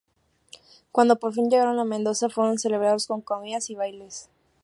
Cuando por fin llegaron a Mendoza, fueron celebrados con comidas y bailes.